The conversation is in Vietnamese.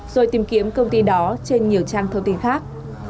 rồi tìm kiếm công ty đó trên nhiều trang thông tin khác